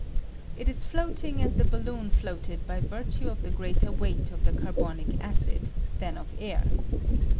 ] It is floating as the balloon floated by virtue of the greater weight of the carbonic acid than of the air.